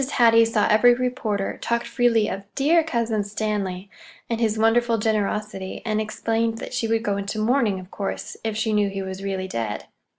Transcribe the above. Hattie saw every reporter, talked freely of "dear Cousin Stanley" and his wonderful generosity, and explained that she would go into mourning, of course, if she knew he was really dead.